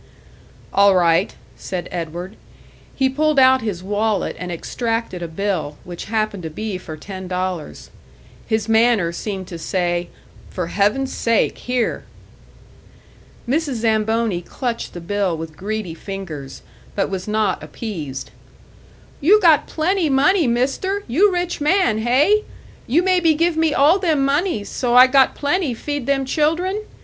"All right," said Edward. He pulled out his wallet and extracted a bill, which happened to be for ten dollars. His manner seemed to say, "For heaven's sake, here!" Mrs. Zamboni clutched the bill with greedy fingers, but was not appeased. "You got plenty money, Mister! You rich man, hey! You maybe give me all them moneys, so I got plenty feed them children?